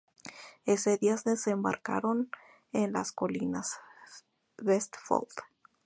Ese día desembarcaron en las colinas Vestfold.